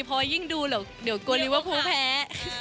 เพราะว่ายิ่งดูเดี๋ยวกลัวลีเวอร์พูดแพ้